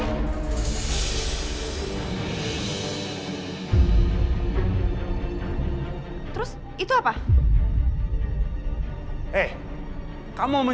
itu suaranya kita ga lebih kang ritme